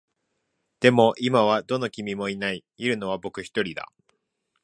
でも、今はどの君もいない。いるのは僕一人だ。